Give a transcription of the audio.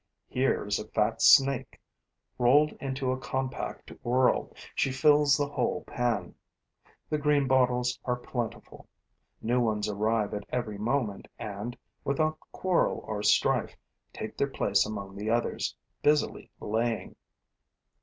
Here is a fat snake. Rolled into a compact whorl, she fills the whole pan. The greenbottles are plentiful. New ones arrive at every moment and, without quarrel or strife, take their place among the others, busily laying.